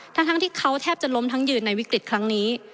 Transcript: ทั้งที่เขาแทบจะล้มทั้งยืนในวิกฤตครั้งนี้